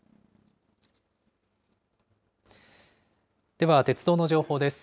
では、鉄道の情報です。